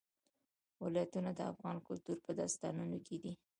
ولایتونه د افغان کلتور په داستانونو کې دي.